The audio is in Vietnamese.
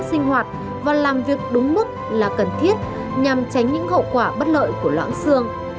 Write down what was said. sinh hoạt và làm việc đúng mức là cần thiết nhằm tránh những hậu quả bất lợi của lãng xương